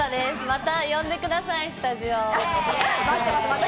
また呼んでください、スタジオ。